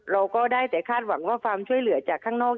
เราก็ได้แต่คาดหวังว่าความช่วยเหลือจากข้างนอก